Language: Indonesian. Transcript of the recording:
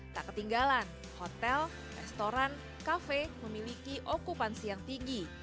tak ketinggalan hotel restoran kafe memiliki okupansi yang tinggi